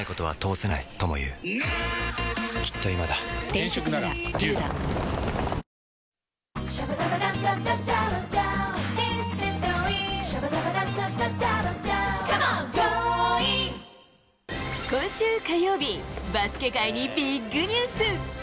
本麒麟今週火曜日、バスケ界にビッグニュース。